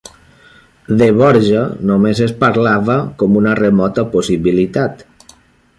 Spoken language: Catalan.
De Borja només es parlava com una remota possibilitat.